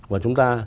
của chúng ta